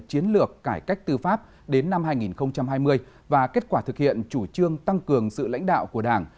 chiến lược cải cách tư pháp đến năm hai nghìn hai mươi và kết quả thực hiện chủ trương tăng cường sự lãnh đạo của đảng